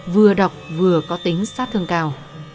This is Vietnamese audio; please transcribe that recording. vừa độc vừa có tính sát thương cao